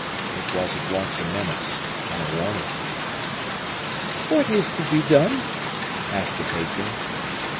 It was at once a menace and a warning. "What is to be done?" asked the patron.